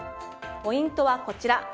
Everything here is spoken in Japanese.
ポイントはこちら。